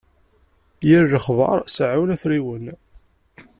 Yir lexbar seɛɛun afriwen.